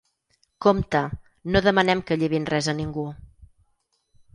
Compte, no demanem que llevin res a ningú.